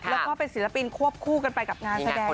แล้วก็เป็นศิลปินควบคู่กันไปกับงานแสดงนั่นเองค่ะ